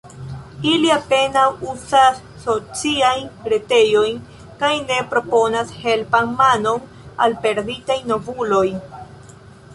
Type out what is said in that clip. Ili apenaŭ uzas sociajn retejojn kaj ne proponas helpan manon al perditaj novuloj.